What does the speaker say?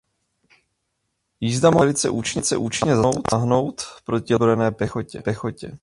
Jízda mohla také velice účinně zasáhnout proti lehce vyzbrojené pěchotě.